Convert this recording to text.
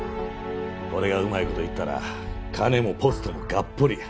これがうまい事いったら金もポストもがっぽりや。